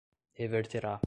reverterá